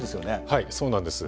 はいそうなんです。